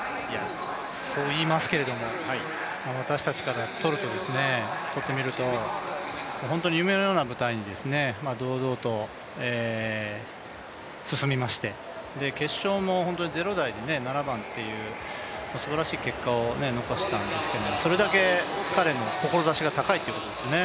そう言いますけれども、私たちからとってみると、本当に夢のような舞台に堂々と進みまして、決勝も０台で７番というすばらしい結果を残したんですけれどもそれだけ彼の志が高いということですね。